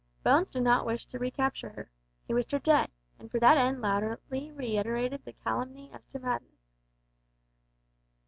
Bones did not wish to recapture her. He wished her dead, and for that end loudly reiterated the calumny as to madness.